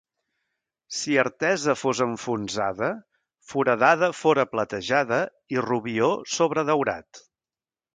Si Artesa fos enfonsada, Foradada fora platejada i Rubió sobredaurat.